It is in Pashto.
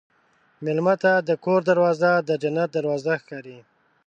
مېلمه ته د کور دروازه د جنت دروازه ده.